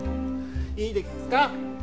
いいですか？